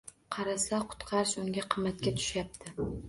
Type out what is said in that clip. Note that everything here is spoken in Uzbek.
Qarasa qutqarish unga qimmatga tushyapti.